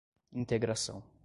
integração